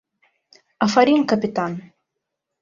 Афарин, капитан!